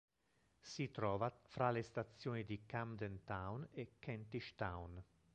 Si trova fra le stazioni di Camden Town e Kentish Town.